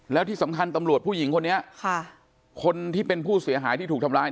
แล้วที่สำคัญตำรวจผู้หญิงคนนี้คนที่เป็นผู้เสียหายที่ถูกทำร้าย